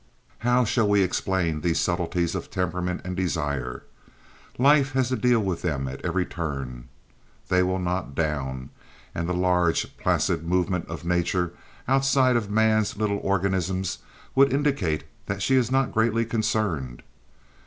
How shall we explain these subtleties of temperament and desire? Life has to deal with them at every turn. They will not down, and the large, placid movements of nature outside of man's little organisms would indicate that she is not greatly concerned.